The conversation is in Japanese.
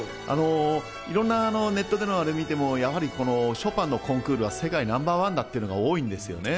いろんなネットでのあれを見てもショパンのコンクールは世界ナンバーワンだというのが多いんですね。